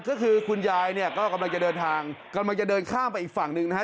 ก็คือคุณยายเนี่ยก็กำลังจะเดินทางกำลังจะเดินข้ามไปอีกฝั่งหนึ่งนะฮะ